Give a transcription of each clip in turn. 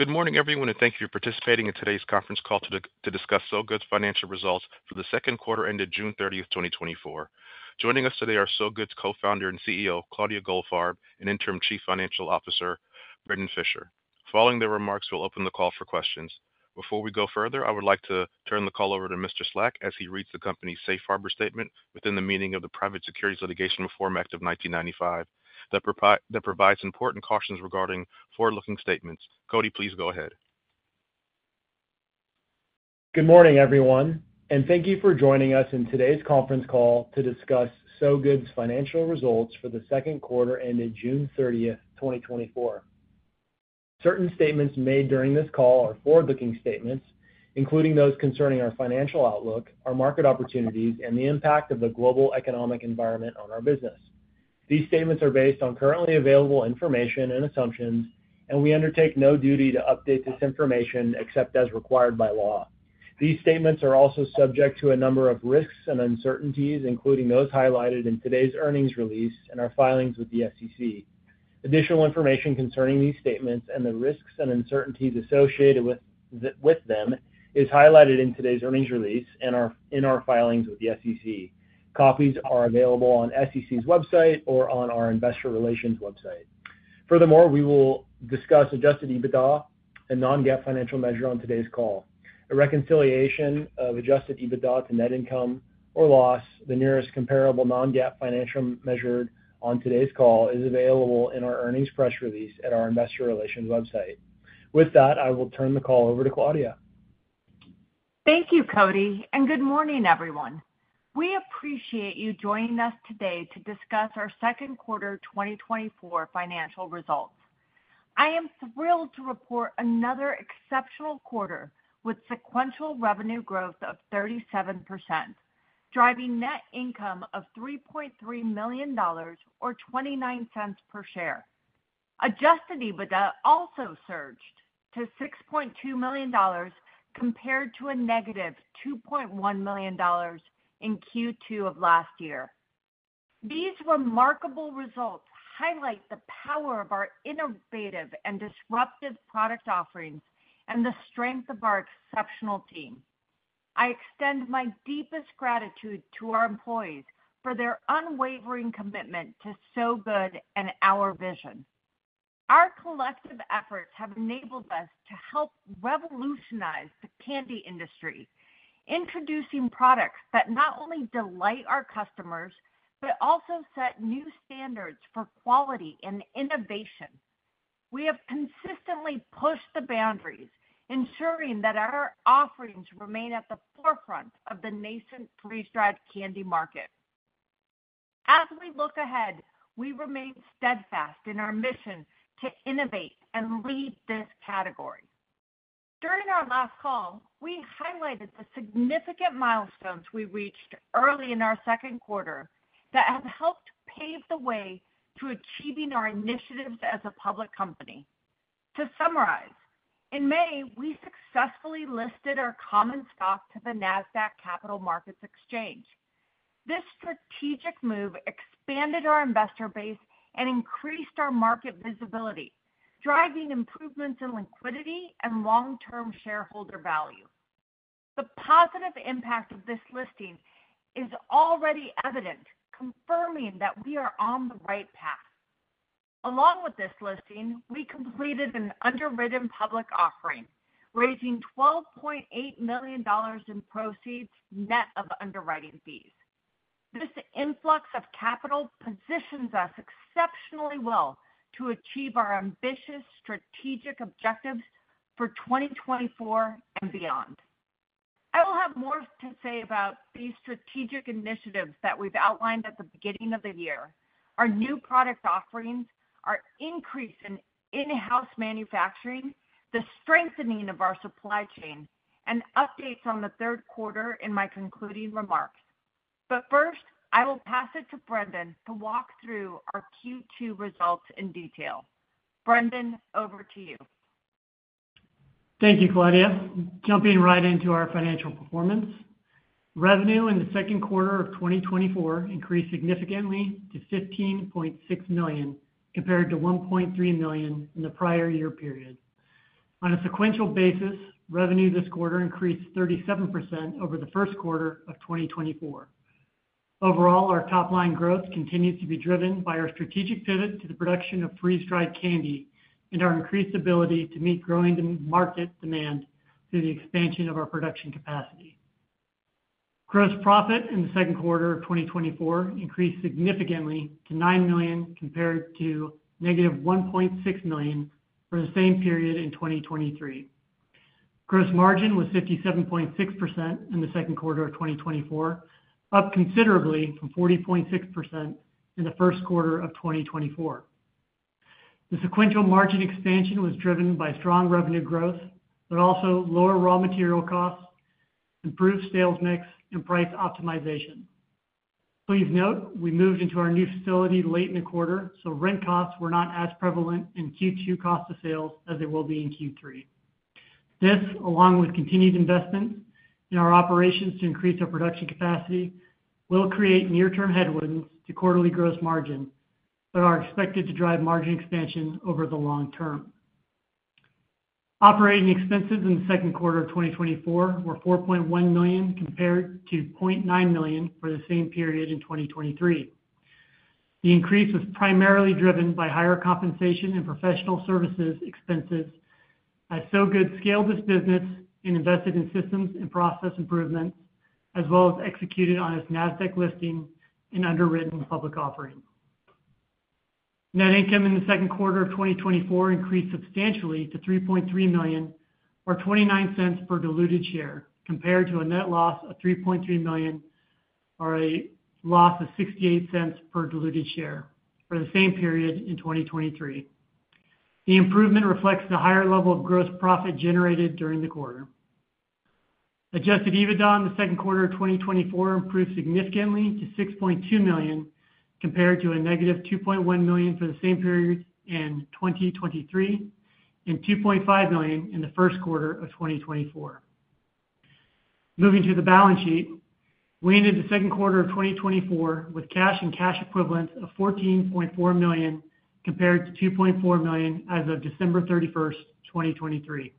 Good morning, everyone, and thank you for participating in today's conference call to discuss Sow Good's Financial Results for the Q2 ended June 30, 2024. Joining us today are Sow Good's co-founder and CEO, Claudia Goldfarb, and Interim Chief Financial Officer, Brendon Fischer. Following their remarks, we'll open the call for questions. Before we go further, I would like to turn the call over to Mr. Slach as he reads the company's safe harbor statement within the meaning of the Private Securities Litigation Reform Act of 1995, that provides important cautions regarding forward-looking statements. Cody, please go ahead. Good morning, everyone, and thank you for joining us in today's conference call to discuss Sow Good's Financial Results for the Q2 ended 30 June 2024. Certain statements made during this call are forward-looking statements, including those concerning our financial outlook, our market opportunities, and the impact of the global economic environment on our business. These statements are based on currently available information and assumptions, and we undertake no duty to update this information except as required by law. These statements are also subject to a number of risks and uncertainties, including those highlighted in today's earnings release and our filings with the SEC. Additional information concerning these statements and the risks and uncertainties associated with them is highlighted in today's earnings release and our filings with the SEC. Copies are available on SEC's website or on our investor relations website. Furthermore, we will discuss Adjusted EBITDA, a non-GAAP financial measure, on today's call. A reconciliation of Adjusted EBITDA to net income or loss, the nearest comparable non-GAAP financial measure on today's call, is available in our earnings press release at our investor relations website. With that, I will turn the call over to Claudia. Thank you, Cody, and good morning, everyone. We appreciate you joining us today to discuss our Q2 2024 financial results. I am thrilled to report another exceptional quarter with sequential revenue growth of 37%, driving net income of $3.3 million or 29 cents per share. Adjusted EBITDA also surged to $6.2 million, compared to a negative $2.1 million in Q2 of last year. These remarkable results highlight the power of our innovative and disruptive product offerings and the strength of our exceptional team. I extend my deepest gratitude to our employees for their unwavering commitment to Sow Good and our vision. Our collective efforts have enabled us to help revolutionize the candy industry, introducing products that not only delight our customers, but also set new standards for quality and innovation. We have consistently pushed the boundaries, ensuring that our offerings remain at the forefront of the nascent freeze-dried candy market. As we look ahead, we remain steadfast in our mission to innovate and lead this category. During our last call, we highlighted the significant milestones we reached early in our Q2 that have helped pave the way to achieving our initiatives as a public company. To summarize, in May, we successfully listed our common stock on the Nasdaq Capital Market. This strategic move expanded our investor base and increased our market visibility, driving improvements in liquidity and long-term shareholder value. The positive impact of this listing is already evident, confirming that we are on the right path. Along with this listing, we completed an underwritten public offering, raising $12.8 million in proceeds net of underwriting fees. This influx of capital positions us exceptionally well to achieve our ambitious strategic objectives for 2024 and beyond. I will have more to say about these strategic initiatives that we've outlined at the beginning of the year, our new product offerings, our increase in-house manufacturing, the strengthening of our supply chain, and updates on the Q3 in my concluding remarks. First, I will pass it to Brendon to walk through our Q2 results in detail. Brendon, over to you. Thank you, Claudia. Jumping right into our financial performance. Revenue in the Q2 of 2024 increased significantly to $15.6 million, compared to $1.3 million in the prior year period. On a sequential basis, revenue this quarter increased 37% over the Q1 of 2024. Overall, our top-line growth continues to be driven by our strategic pivot to the production of freeze-dried candy and our increased ability to meet growing demand, market demand through the expansion of our production capacity. Gross profit in the Q2 of 2024 increased significantly to $9 million, compared to -$1.6 million for the same period in 2023. Gross margin was 57.6% in the Q2 of 2024, up considerably from 40.6% in the Q1 of 2024. The sequential margin expansion was driven by strong revenue growth, but also lower raw material costs, improved sales mix, and price optimization. Please note, we moved into our new facility late in the quarter, so rent costs were not as prevalent in Q2 cost of sales as they will be in Q3. This, along with continued investment in our operations to increase our production capacity, will create near-term headwinds to quarterly gross margin, but are expected to drive margin expansion over the long term. Operating expenses in the Q2 of 2024 were $4.1 million, compared to $0.9 million for the same period in 2023. The increase was primarily driven by higher compensation and professional services expenses as Sow Good scaled its business and invested in systems and process improvements, as well as executed on its Nasdaq listing and underwritten public offering. Net income in the Q2 of 2024 increased substantially to $3.3 million, or $0.29 per diluted share, compared to a net loss of $3.3 million, or a loss of $0.68 per diluted share for the same period in 2023. The improvement reflects the higher level of gross profit generated during the quarter. Adjusted EBITDA in the Q2 of 2024 improved significantly to $6.2 million, compared to -$2.1 million for the same period in 2023, and $2.5 million in the Q1 of 2024. Moving to the balance sheet. We ended the Q2 of 2024 with cash and cash equivalents of $14.4 million, compared to $2.4 million as of December 31, 2023.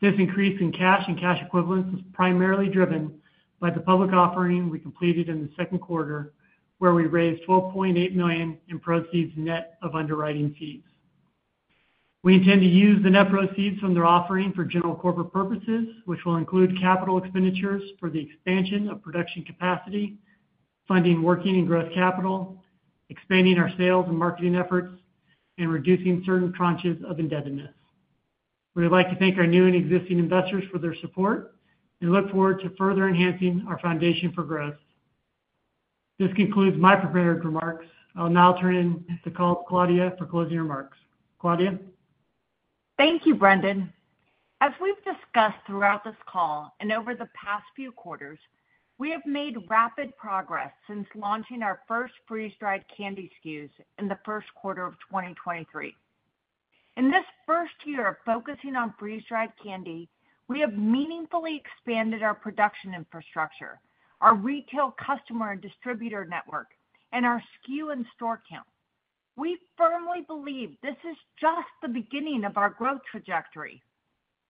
This increase in cash and cash equivalents was primarily driven by the public offering we completed in the Q2, where we raised $12.8 million in proceeds net of underwriting fees. We intend to use the net proceeds from the offering for general corporate purposes, which will include capital expenditures for the expansion of production capacity, funding working and growth capital, expanding our sales and marketing efforts, and reducing certain tranches of indebtedness. We would like to thank our new and existing investors for their support and look forward to further enhancing our foundation for growth. This concludes my prepared remarks. I'll now turn the call to Claudia for closing remarks. Claudia? Thank you, Brendon. As we've discussed throughout this call and over the past few quarters, we have made rapid progress since launching our first freeze-dried candy SKUs in the Q1 of 2023. In this first year of focusing on freeze-dried candy, we have meaningfully expanded our production infrastructure, our retail customer and distributor network, and our SKU and store count. We firmly believe this is just the beginning of our growth trajectory.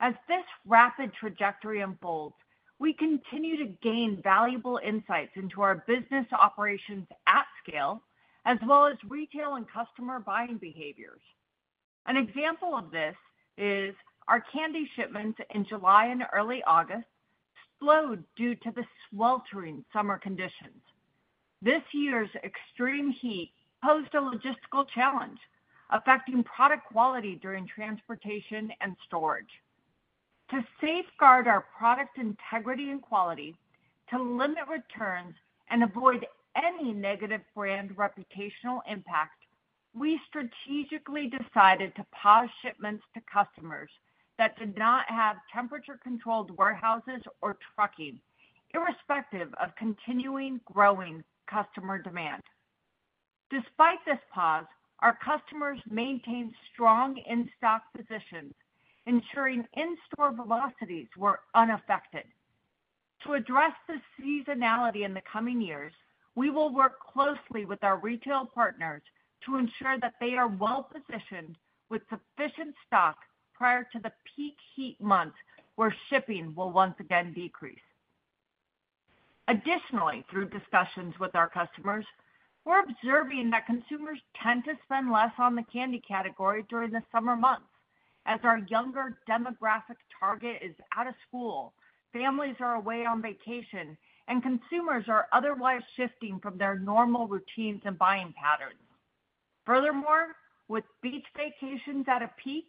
As this rapid trajectory unfolds, we continue to gain valuable insights into our business operations at scale, as well as retail and customer buying behaviors. An example of this is our candy shipments in July and early August slowed due to the sweltering summer conditions. This year's extreme heat posed a logistical challenge, affecting product quality during transportation and storage. To safeguard our product integrity and quality, to limit returns, and avoid any negative brand reputational impact, we strategically decided to pause shipments to customers that did not have temperature-controlled warehouses or trucking, irrespective of continuing growing customer demand. Despite this pause, our customers maintained strong in-stock positions, ensuring in-store velocities were unaffected. To address the seasonality in the coming years, we will work closely with our retail partners to ensure that they are well-positioned with sufficient stock prior to the peak heat months, where shipping will once again decrease. Additionally, through discussions with our customers, we're observing that consumers tend to spend less on the candy category during the summer months, as our younger demographic target is out of school, families are away on vacation, and consumers are otherwise shifting from their normal routines and buying patterns. Furthermore, with beach vacations at a peak,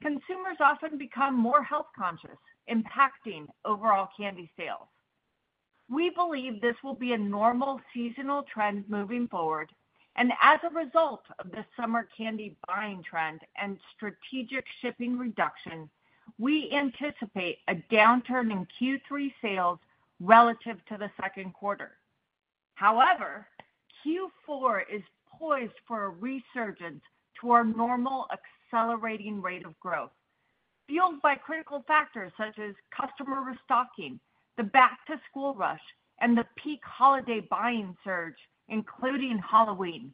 consumers often become more health-conscious, impacting overall candy sales. We believe this will be a normal seasonal trend moving forward, and as a result of this summer candy buying trend and strategic shipping reduction, we anticipate a downturn in Q3 sales relative to the Q2. However, Q4 is poised for a resurgence to our normal accelerating rate of growth, fueled by critical factors such as customer restocking, the back-to-school rush, and the peak holiday buying surge, including Halloween.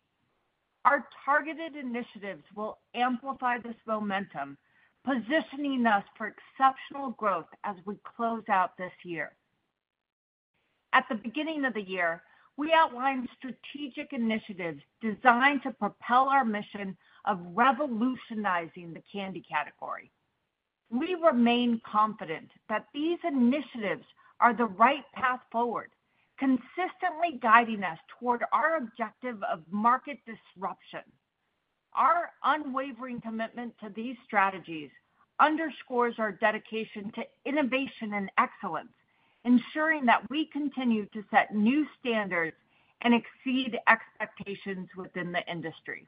Our targeted initiatives will amplify this momentum, positioning us for exceptional growth as we close out this year. At the beginning of the year, we outlined strategic initiatives designed to propel our mission of revolutionizing the candy category. We remain confident that these initiatives are the right path forward, consistently guiding us toward our objective of market disruption. Our unwavering commitment to these strategies underscores our dedication to innovation and excellence, ensuring that we continue to set new standards and exceed expectations within the industry.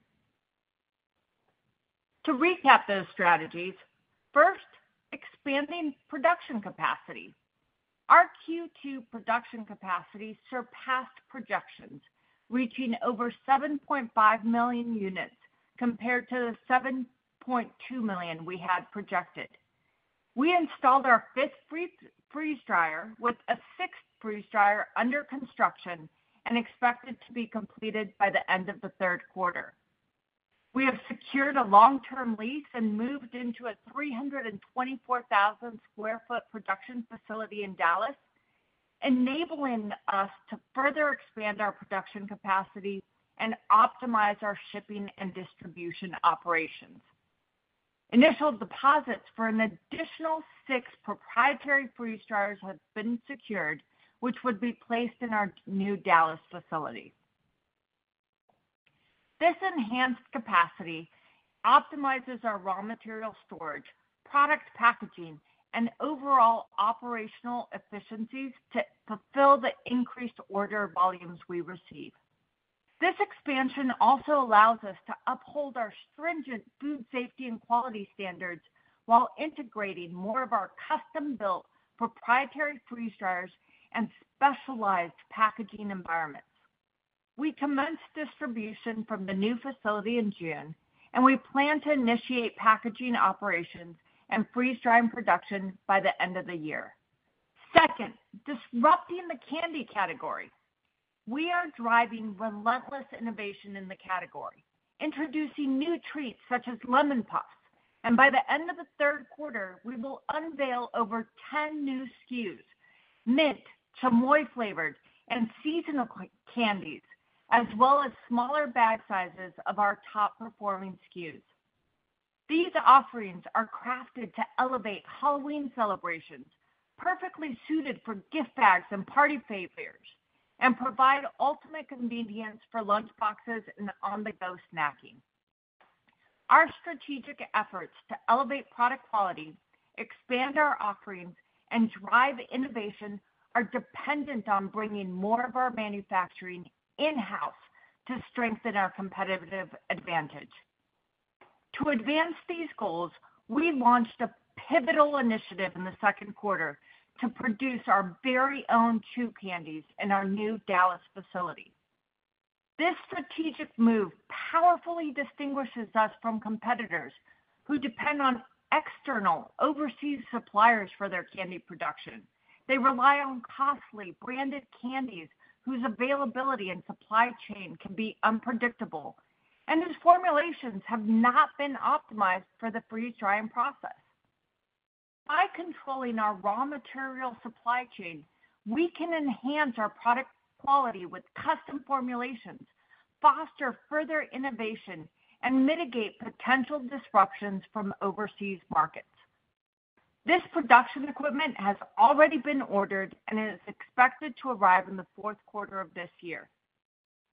To recap those strategies, first, expanding production capacity. Our Q2 production capacity surpassed projections, reaching over 7.5 million units compared to the 7.2 million we had projected. We installed our fifth freeze dryer, with a sixth freeze dryer under construction and expected to be completed by the end of the Q3. We have secured a long-term lease and moved into a 324,000 sq ft production facility in Dallas, enabling us to further expand our production capacity and optimize our shipping and distribution operations. Initial deposits for an additional six proprietary freeze dryers have been secured, which would be placed in our new Dallas facility. This enhanced capacity optimizes our raw material storage, product packaging, and overall operational efficiencies to fulfill the increased order volumes we receive. This expansion also allows us to uphold our stringent food safety and quality standards while integrating more of our custom-built proprietary freeze dryers and specialized packaging environments. We commenced distribution from the new facility in June, and we plan to initiate packaging operations and freeze-drying production by the end of the year. Second, disrupting the candy category. We are driving relentless innovation in the category, introducing new treats such as Lemon Puffs. And by the end of the Q3, we will unveil over 10 new SKUs, mint, chamoy flavored, and seasonal candies, as well as smaller bag sizes of our top-performing SKUs. These offerings are crafted to elevate Halloween celebrations, perfectly suited for gift bags and party favors, and provide ultimate convenience for lunchboxes and on-the-go snacking. Our strategic efforts to elevate product quality, expand our offerings, and drive innovation are dependent on bringing more of our manufacturing in-house to strengthen our competitive advantage. To advance these goals, we launched a pivotal initiative in the Q2 to produce our very own chew candies in our new Dallas facility. This strategic move powerfully distinguishes us from competitors who depend on external overseas suppliers for their candy production. They rely on costly branded candies whose availability and supply chain can be unpredictable, and whose formulations have not been optimized for the freeze-drying process. By controlling our raw material supply chain, we can enhance our product quality with custom formulations, foster further innovation, and mitigate potential disruptions from overseas markets. This production equipment has already been ordered and is expected to arrive in the Q4 of this year.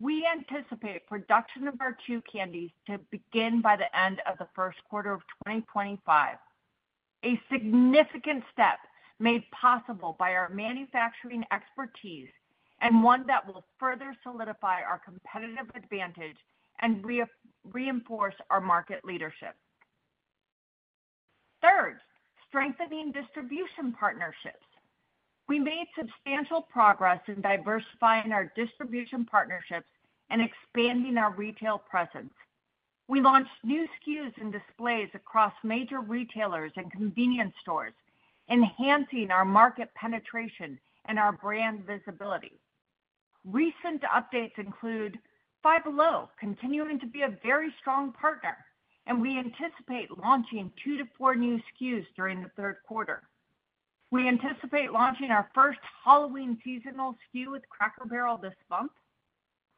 We anticipate production of our chew candies to begin by the end of the Q1 of 2025, a significant step made possible by our manufacturing expertise, and one that will further solidify our competitive advantage and reinforce our market leadership. Third, strengthening distribution partnerships. We made substantial progress in diversifying our distribution partnerships and expanding our retail presence. We launched new SKUs and displays across major retailers and convenience stores, enhancing our market penetration and our brand visibility. Recent updates include Five Below continuing to be a very strong partner, and we anticipate launching 2 to 4 new SKUs during the Q3. We anticipate launching our first Halloween seasonal SKU with Cracker Barrel this month.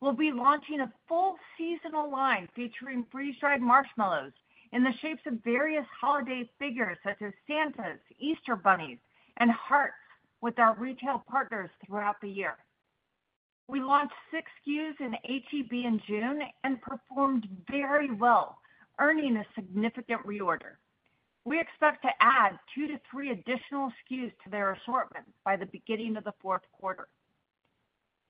We'll be launching a full seasonal line featuring freeze-dried marshmallows in the shapes of various holiday figures, such as Santas, Easter bunnies, and hearts, with our retail partners throughout the year. We launched six SKUs in H-E-B in June and performed very well, earning a significant reorder. We expect to add 2 to 3 additional SKUs to their assortment by the beginning of the Q4.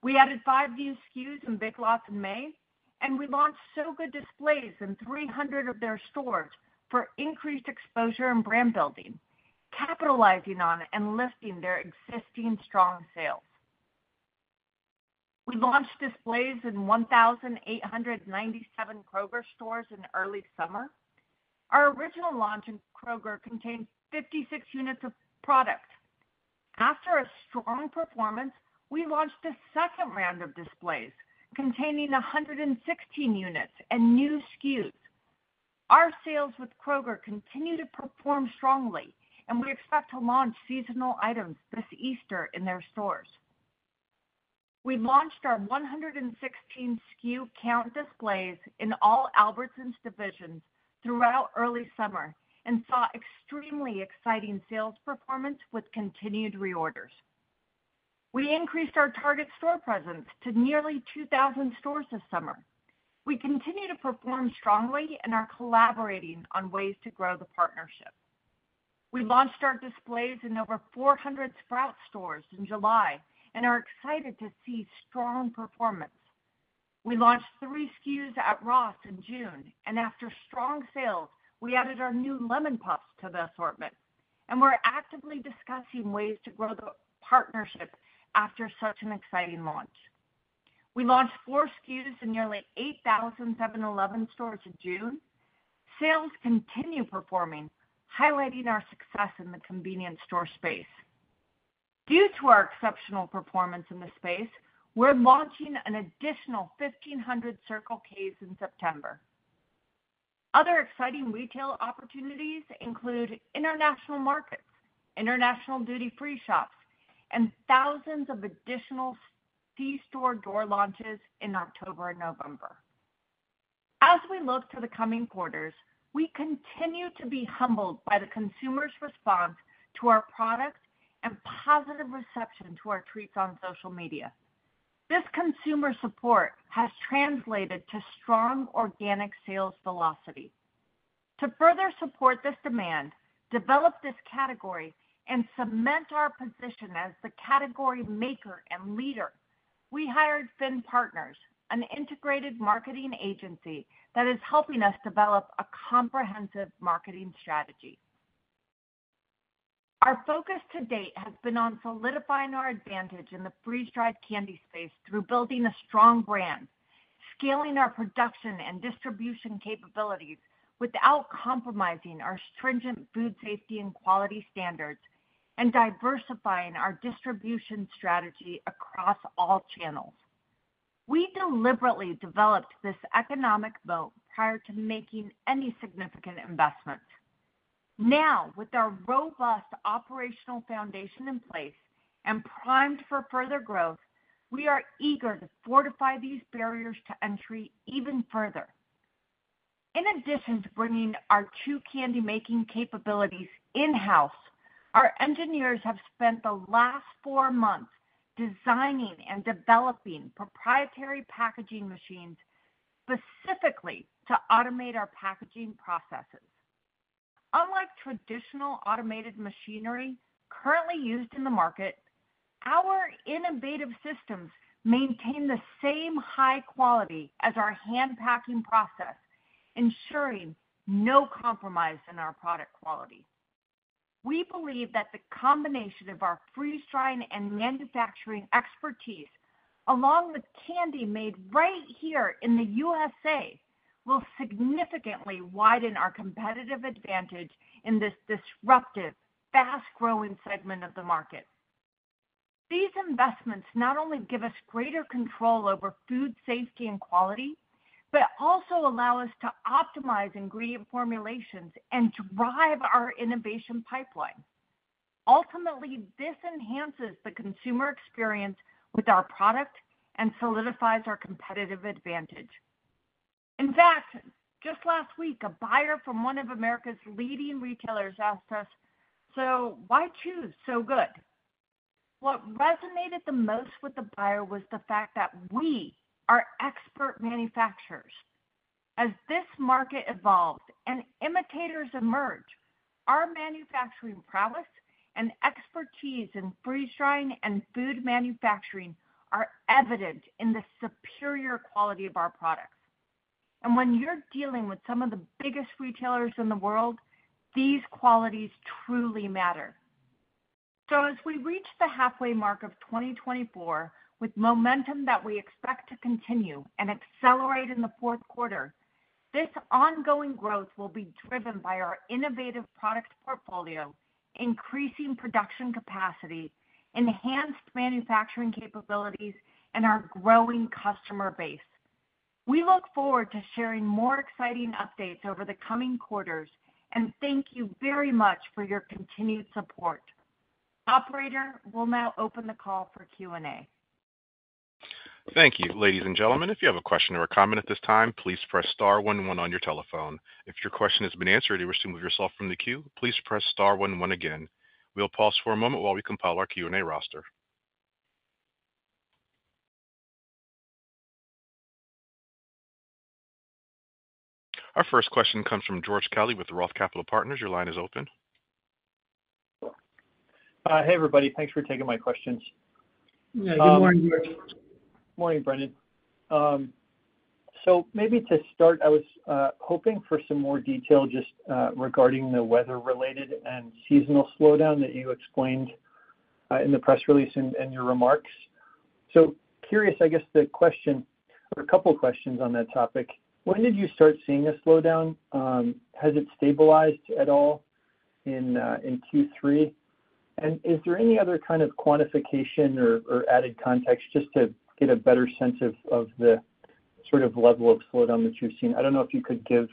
We added five new SKUs in Big Lots in May, and we launched Sow Good displays in 300 of their stores for increased exposure and brand building, capitalizing on and lifting their existing strong sales. We launched displays in 1,897 Kroger stores in early summer. Our original launch in Kroger contained 56 units of product. After a strong performance, we launched a second round of displays containing 116 units and new SKUs. Our sales with Kroger continue to perform strongly, and we expect to launch seasonal items this Easter in their stores. We launched our 116 SKU count displays in all Albertsons divisions throughout early summer and saw extremely exciting sales performance with continued reorders. We increased our Target store presence to nearly 2,000 stores this summer. We continue to perform strongly and are collaborating on ways to grow the partnership. We launched our displays in over 400 Sprouts stores in July and are excited to see strong performance. We launched 3 SKUs at Ross in June, and after strong sales, we added our new Lemon Puffs to the assortment, and we're actively discussing ways to grow the partnership after such an exciting launch. We launched 4 SKUs in nearly 8,000 7-Eleven stores in June. Sales continue performing, highlighting our success in the convenience store space. Due to our exceptional performance in the space, we're launching an additional 1,500 Circle Ks in September. Other exciting retail opportunities include international markets, international duty-free shops, and thousands of additional C-store door launches in October and November. As we look to the coming quarters, we continue to be humbled by the consumer's response to our product and positive reception to our treats on social media. This consumer support has translated to strong organic sales velocity. To further support this demand, develop this category, and cement our position as the category maker and leader, we hired Finn Partners, an integrated marketing agency that is helping us develop a comprehensive marketing strategy. Our focus to date has been on solidifying our advantage in the freeze-dried candy space through building a strong brand, scaling our production and distribution capabilities without compromising our stringent food safety and quality standards, and diversifying our distribution strategy across all channels. We deliberately developed this economic moat prior to making any significant investments. Now, with our robust operational foundation in place and primed for further growth, we are eager to fortify these barriers to entry even further. In addition to bringing our two candy-making capabilities in-house, our engineers have spent the last four months designing and developing proprietary packaging machines specifically to automate our packaging processes. Unlike traditional automated machinery currently used in the market, our innovative systems maintain the same high quality as our hand packing process, ensuring no compromise in our product quality. We believe that the combination of our freeze-drying and manufacturing expertise, along with candy made right here in the USA, will significantly widen our competitive advantage in this disruptive, fast-growing segment of the market. These investments not only give us greater control over food safety and quality, but also allow us to optimize ingredient formulations and drive our innovation pipeline. Ultimately, this enhances the consumer experience with our product and solidifies our competitive advantage. In fact, just last week, a buyer from one of America's leading retailers asked us, "So why choose Sow Good?" What resonated the most with the buyer was the fact that we are expert manufacturers. As this market evolves and imitators emerge, our manufacturing prowess and expertise in freeze-drying and food manufacturing are evident in the superior quality of our products. When you're dealing with some of the biggest retailers in the world, these qualities truly matter. So as we reach the halfway mark of 2024, with momentum that we expect to continue and accelerate in the Q4, this ongoing growth will be driven by our innovative product portfolio, increasing production capacity, enhanced manufacturing capabilities, and our growing customer base. We look forward to sharing more exciting updates over the coming quarters, and thank you very much for your continued support. Operator, we'll now open the call for Q&A. Thank you. Ladies and gentlemen, if you have a question or a comment at this time, please press star one, one on your telephone. If your question has been answered or you wish to remove yourself from the queue, please press star one, one again. We'll pause for a moment while we compile our Q&A roster. Our first question comes from George Kelly with Roth Capital Partners. Your line is open. Hey, everybody. Thanks for taking my questions. Good morning, George. Morning, Brendon. Maybe to start, I was hoping for some more detail just regarding the weather-related and seasonal slowdown that you explained in the press release and your remarks. Curious, I guess, the question or a couple of questions on that topic. When did you start seeing a slowdown? Has it stabilized at all in Q3? Is there any other kind of quantification or added context just to get a better sense of the sort of level of slowdown that you've seen? I don't know if you could give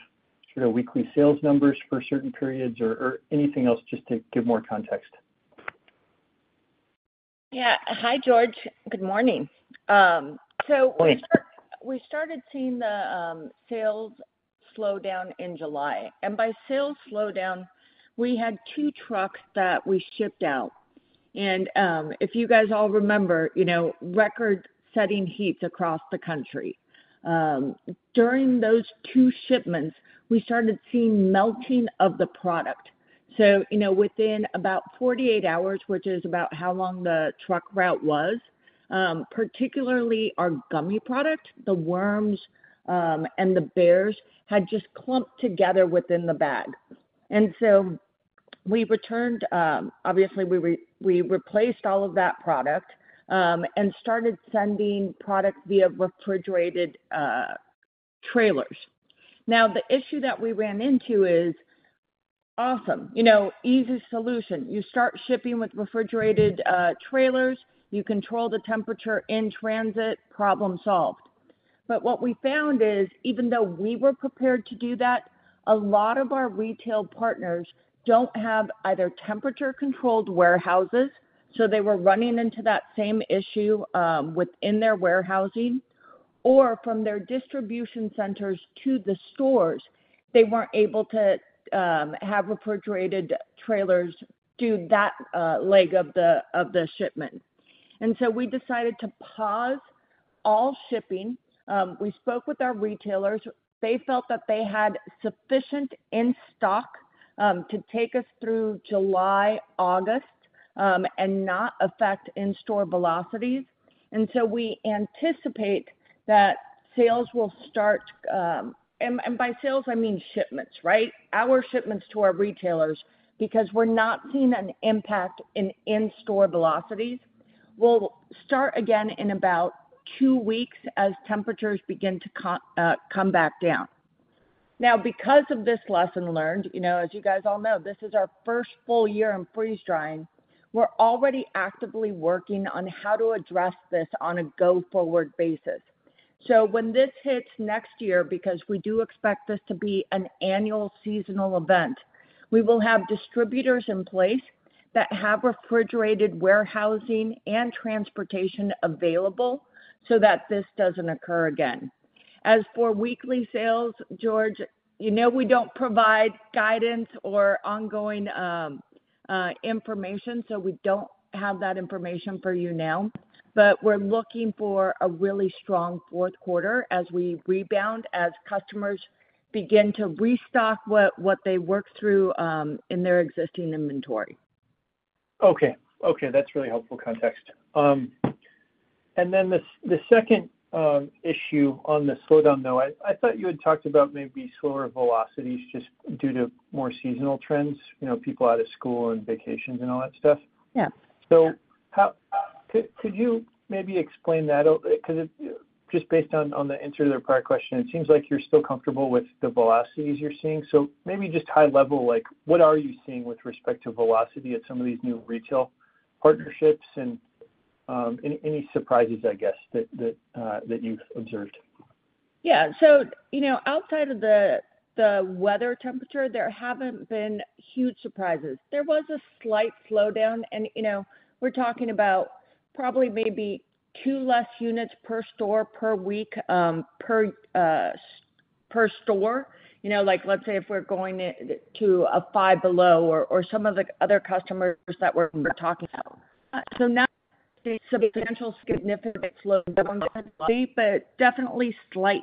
sort of weekly sales numbers for certain periods or anything else just to give more context. Hi, George. Good morning. Morning. We started seeing sales slow down in July, and by sales slow down, we had two trucks that we shipped out. If you guys all remember, you know, record-setting heats across the country. During those two shipments, we started seeing melting of the product. You know, within about 48 hours, which is about how long the truck route was, particularly our gummy product, the worms, and the bears had just clumped together within the bag. We returned, obviously, we replaced all of that product, and started sending products via refrigerated trailers. Now, the issue that we ran into is awesome. You know, easy solution. You start shipping with refrigerated trailers, you control the temperature in transit, problem solved. What we found is, even though we were prepared to do that, a lot of our retail partners don't have either temperature-controlled warehouses, they were running into that same issue within their warehousing or from their distribution centers to the stores. They weren't able to have refrigerated trailers do that leg of the shipment. We decided to pause all shipping. We spoke with our retailers. They felt that they had sufficient in-stock to take us through July, August, and not affect in-store velocities. We anticipate that sales will start. By sales, I mean shipments, right? Our shipments to our retailers, because we're not seeing an impact in-store velocities, will start again in about two weeks as temperatures begin to come back down. Now, because of this lesson learned, you know, as you guys all know, this is our first full year in freeze-drying. We're already actively working on how to address this on a go-forward basis. When this hits next year, because we do expect this to be an annual seasonal event, we will have distributors in place that have refrigerated warehousing and transportation available so that this doesn't occur again. As for weekly sales, George, you know, we don't provide guidance or ongoing information, so we don't have that information for you now. But we're looking for a really strong Q4 as we rebound, as customers begin to restock what they work through in their existing inventory. Okay. Okay, that's really helpful context. The second issue on the slowdown, though, I thought you had talked about maybe slower velocities just due to more seasonal trends, you know, people out of school and vacations and all that stuff Could you maybe explain that a little because it, just based on the answer to the prior question, it seems like you're still comfortable with the velocities you're seeing. Just high level, like, what are you seeing with respect to velocity at some of these new retail partnerships? Any surprises, I guess, that you've observed? You know, outside of the weather temperature, there haven't been huge surprises. There was a slight slowdown, and, you know, we're talking about probably maybe two less units per store per week, per store. You know, like, let's say if we're going into a Five Below or some of the other customers that we're talking about. Not a substantial, significant slowdown, but definitely slight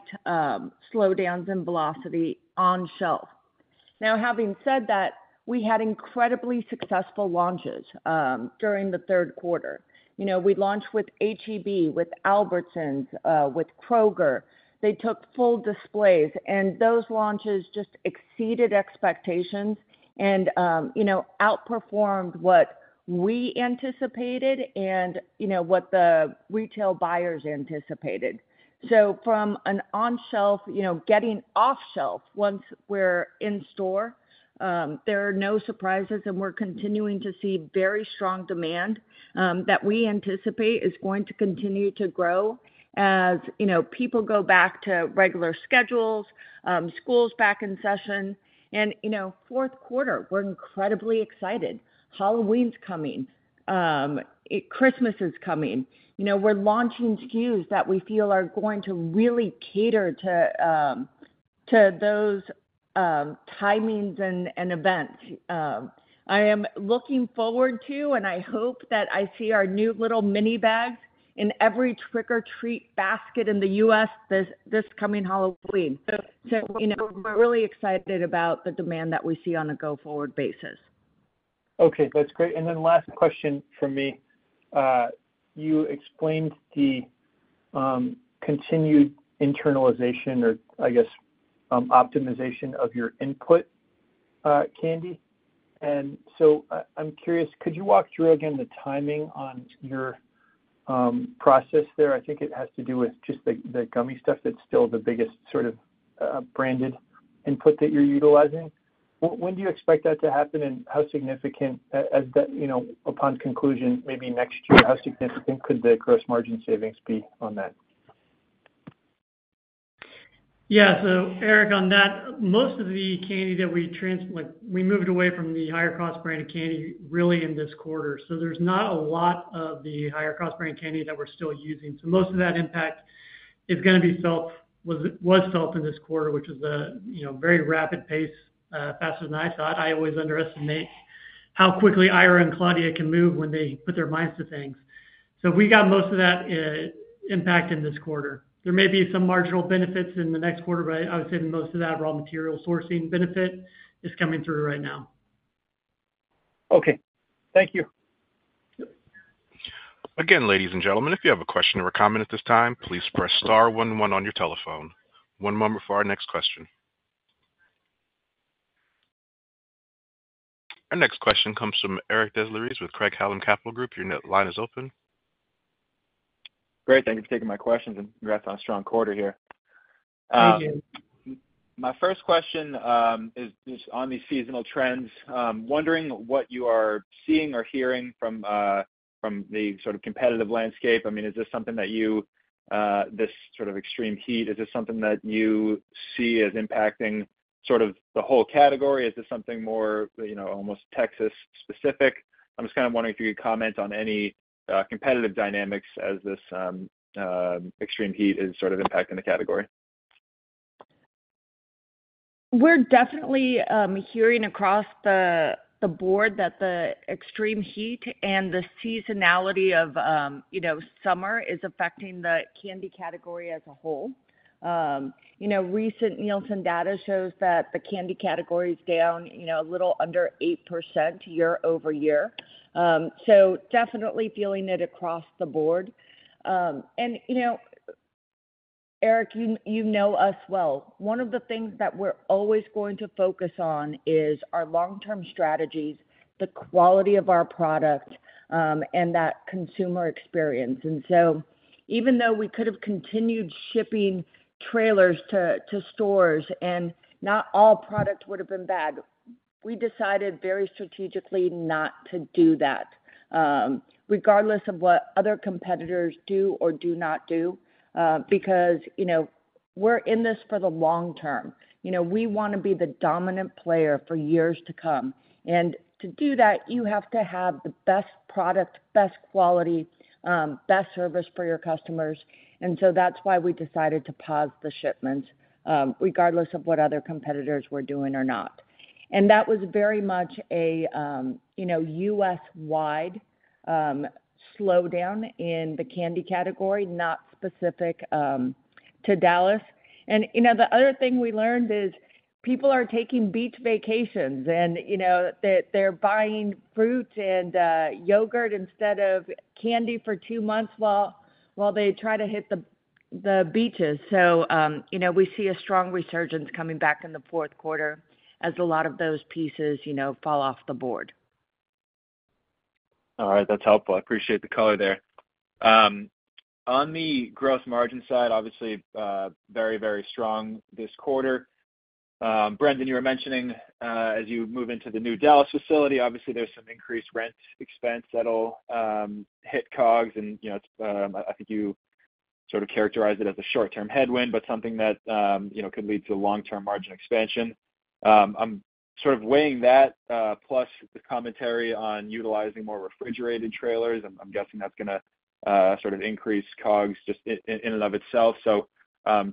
slowdowns in velocity on shelf. Now, having said that, we had incredibly successful launches during Q3. You know, we launched with H-E-B, with Albertsons, with Kroger. They took full displays, and those launches just exceeded expectations and, you know, outperformed what we anticipated and, you know, what the retail buyers anticipated. From an on-shelf, you know, getting off shelf once we're in store, there are no surprises, and we're continuing to see very strong demand that we anticipate is going to continue to grow as, you know, people go back to regular schedules, schools back in session. You know, Q4, we're incredibly excited. Halloween's coming. Christmas is coming. You know, we're launching SKUs that we feel are going to really cater to those timings and events. I am looking forward to, and I hope that I see our new little mini bags in every trick-or-treat basket in the U.S. this coming Halloween. You know, we're really excited about the demand that we see on a go-forward basis. Okay, that's great. Then last question from me. You explained the continued internalization or, I guess, optimization of your input candy. I, I'm curious: Could you walk through again the timing on your process there? I think it has to do with just the gummy stuff that's still the biggest sort of branded input that you're utilizing. When do you expect that to happen, and how significant is that? You know, upon conclusion, maybe next year, how significant could the gross margin savings be on that? Eric, on that, most of the candy that we like, we moved away from the higher-cost branded candy really in this quarter. There's not a lot of the higher-cost branded candy that we're still using. Most of that impact is gonna be felt, was, was felt in this quarter, which is a, you know, very rapid pace, faster than I thought. I always underestimate, how quickly Ira and Claudia can move when they put their minds to things. We got most of that, impact in this quarter. There may be some marginal benefits in the next quarter, but I would say most of that raw material sourcing benefit is coming through right now. Okay. Thank you. Again, ladies and gentlemen, if you have a question or comment at this time, please press star one one on your telephone. One moment for our next question. Our next question comes from Eric Des Lauriers with Craig-Hallum Capital Group. Your line is open. Great, thank you for taking my questions, and congrats on a strong quarter here. Thank you. My first question is just on the seasonal trends. Wondering what you are seeing or hearing from the sort of competitive landscape. I mean, is this something that you this sort of extreme heat, is this something that you see as impacting sort of the whole category, or is this something more, you know, almost Texas specific? I'm just kind of wondering if you could comment on any competitive dynamics as this extreme heat is sort of impacting the category. We're definitely hearing across the board that the extreme heat and the seasonality of, you know, summer is affecting the candy category as a whole. You know, recent Nielsen data shows that the candy category is down, you know, a little under 8% year-over-year. Definitely feeling it across the board. You know, Eric, you know us well. One of the things that we're always going to focus on is our long-term strategies, the quality of our product, and that consumer experience. Even though we could have continued shipping trailers to stores and not all products would have been bad, we decided very strategically not to do that, regardless of what other competitors do or do not do, because, you know, we're in this for the long term. You know, we wanna be the dominant player for years to come. To do that, you have to have the best product, best quality, best service for your customers. That's why we decided to pause the shipments, regardless of what other competitors were doing or not. That was very much a, you know, U.S.-wide slowdown in the candy category, not specific to Dallas. You know, the other thing we learned is people are taking beach vacations and, you know, they're buying fruit and yogurt instead of candy for two months while they try to hit the beaches. You know, we see a strong resurgence coming back in the Q4 as a lot of those pieces, you know, fall off the board. All right. That's helpful. I appreciate the color there. On the gross margin side, obviously, very, very strong this quarter. Brendon, you were mentioning, as you move into the new Dallas facility, obviously, there's some increased rent expense that'll hit COGS, and, you know, it's, I think you sort of characterized it as a short-term headwind, but something that, you know, could lead to long-term margin expansion. I'm sort of weighing that, plus the commentary on utilizing more refrigerated trailers. I'm guessing that's gonna sort of increase COGS just in and of itself. To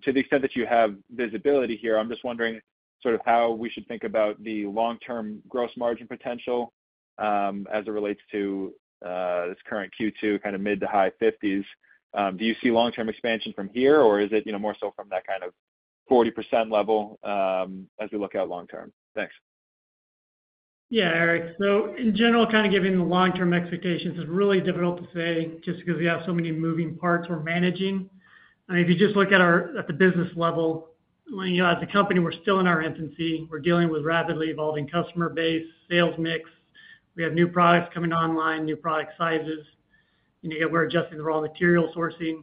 the extent that you have visibility here, I'm just wondering sort of how we should think about the long-term gross margin potential, as it relates to this current Q2, kind of mid- to high 50s.Do you see long-term expansion from here, or is it, you know, more so from that kind of 40% level, as we look out long term? Thanks. Eric. In general, kind of giving the long-term expectations, it's really difficult to say just because we have so many moving parts we're managing. If you just look at the business level, you know, as a company, we're still in our infancy. We're dealing with rapidly evolving customer base, sales mix. We have new products coming online, new product sizes, and yet we're adjusting the raw material sourcing.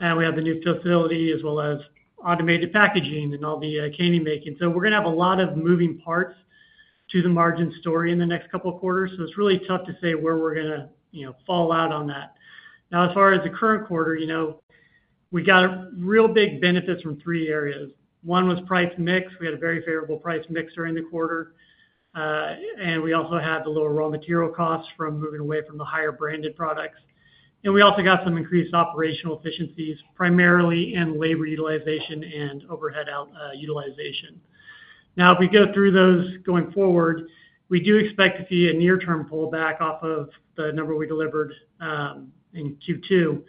We have the new facility as well as automated packaging and all the candy making. We're gonna have a lot of moving parts to the margin story in the next couple of quarters. It's really tough to say where we're gonna, you know, fall out on that. Now, as far as the current quarter, you know, we got real big benefits from three areas. One was price mix. We had a very favorable price mix during the quarter, and we also had the lower raw material costs from moving away from the higher branded products. And we also got some increased operational efficiencies, primarily in labor utilization and overhead out, utilization. Now, if we go through those going forward, we do expect to see a near-term pullback off of the number we delivered, in Q2,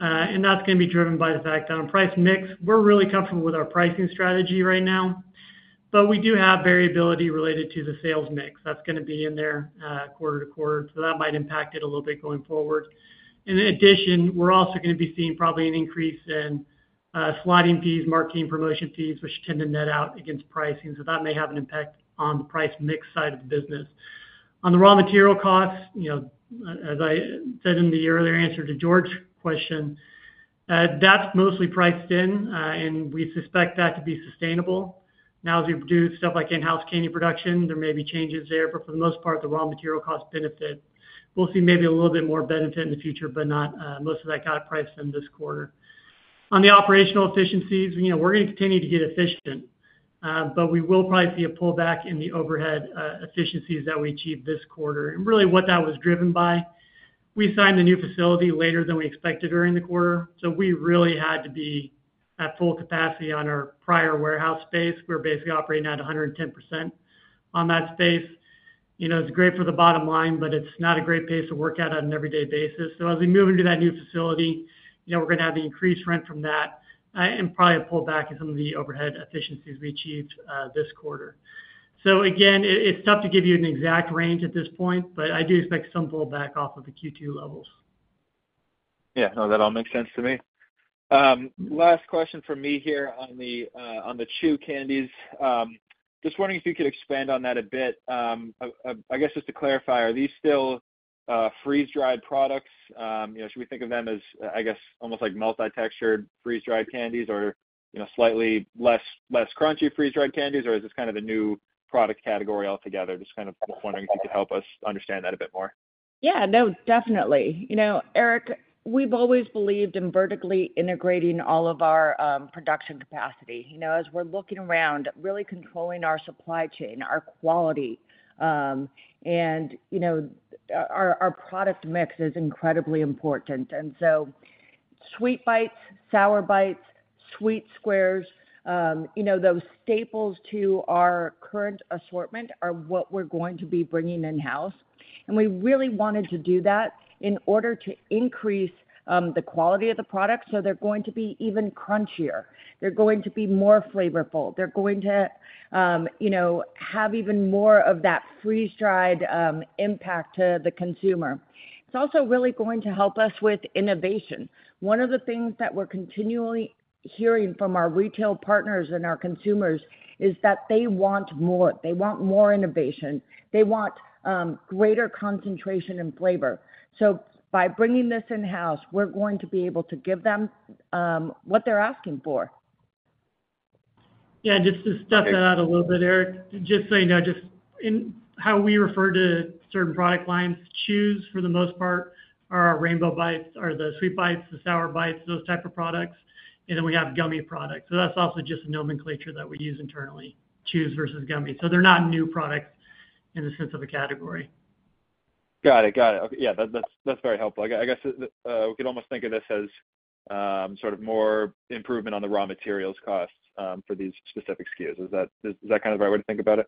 and that's gonna be driven by the fact on price mix. We're really comfortable with our pricing strategy right now, but we do have variability related to the sales mix. That's gonna be in there, quarter to quarter, so that might impact it a little bit going forward. In addition, we're also gonna be seeing probably an increase in, slotting fees, marketing promotion fees, which tend to net out against pricing. That may have an impact on the price mix side of the business. On the raw material costs, you know, as I said in the earlier answer to George's question, that's mostly priced in, and we suspect that to be sustainable. Now, as we do stuff like in-house candy production, there may be changes there, but for the most part, the raw material cost benefit. We'll see maybe a little bit more benefit in the future, but not, most of that got priced in this quarter. On the operational efficiencies, you know, we're gonna continue to get efficient, but we will probably see a pullback in the overhead efficiencies that we achieved this quarter. And really what that was driven by, we signed the new facility later than we expected during the quarter, so we really had to be at full capacity on our prior warehouse space. We're basically operating at 110% on that space. You know, it's great for the bottom line, but it's not a great pace to work at on an everyday basis. As we move into that new facility, you know, we're gonna have the increased rent from that, and probably a pullback in some of the overhead efficiencies we achieved this quarter. Again, it's tough to give you an exact range at this point, but I do expect some pullback off of the Q2 levels. No, that all makes sense to me. Last question from me here on the, on the chew candies. Just wondering if you could expand on that a bit. I guess, just to clarify, are these still freeze-dried products? You know, should we think of them as, I guess, almost like multi-textured, freeze-dried candies or, you know, slightly less crunchy freeze-dried candies, or is this kind of a new product category altogether? Just kind of wondering if you could help us understand that a bit more. No, definitely. You know, Eric, we've always believed in vertically integrating all of our production capacity. You know, as we're looking around, really controlling our supply chain, our quality, and, you know, our product mix is incredibly important. Sweet Bites, Sour Bites, Sweet Squares, you know, those staples to our current assortment are what we're going to be bringing in-house. We really wanted to do that in order to increase the quality of the product. They're going to be even crunchier. They're going to be more flavorful. They're going to, you know, have even more of that freeze-dried impact to the consumer. It's also really going to help us with innovation. One of the things that we're continually hearing from our retail partners and our consumers is that they want more. They want more innovation. They want greater concentration and flavor. By bringing this in-house, we're going to be able to give them what they're asking for. Just to step that out a little bit, Eric. Just so you know, just in how we refer to certain product lines, chews, for the most part, are our Rainbow Bites or the Sweet Bites, the Sour Bites, those type of products, and then we have gummy products. That's also just a nomenclature that we use internally, chews versus gummies. They're not new products in the sense of a category. Got it. Got it. Okay, yeah, that's, that's very helpful. I, I guess, we could almost think of this as, sort of more improvement on the raw materials costs, for these specific SKUs. Is that, is that kind of the right way to think about it?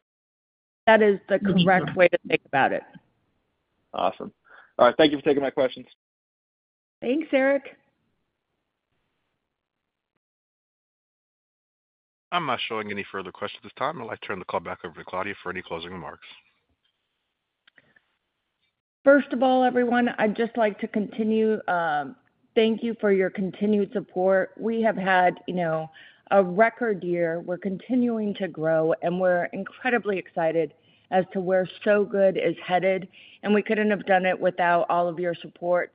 That is the correct way to think about it. Awesome. All right. Thank you for taking my questions. Thanks, Eric. I'm not showing any further questions at this time. I'd like to turn the call back over to Claudia for any closing remarks. First of all, everyone, I'd just like to continue. Thank you for your continued support. We have had, you know, a record year. We're continuing to grow, and we're incredibly excited as to where Sow Good is headed, and we couldn't have done it without all of your support.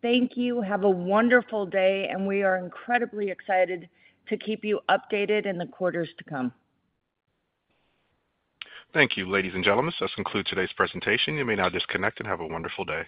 Thank you. Have a wonderful day, and we are incredibly excited to keep you updated in the quarters to come. Thank you, ladies and gentlemen. This concludes today's presentation. You may now disconnect and have a wonderful day.